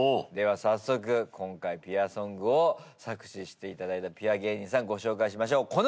では早速今回ピュアソングを作詞していただいたピュア芸人さんご紹介しましょう。